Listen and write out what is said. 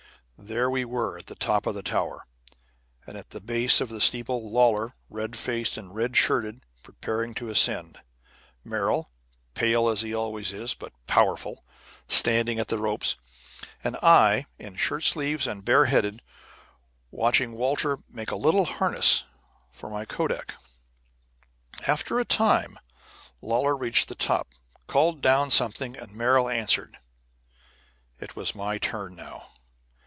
There we were at the top of the tower, and at the base of the steeple Lawlor, red faced and red shirted, preparing to ascend; Merrill, pale, as he always is, but powerful, standing at the ropes; and I, in shirt sleeves and bareheaded, watching Walter make a little harness for my kodak. After a time Lawlor, having reached the top, called down something, and Merrill answered. It was my turn now.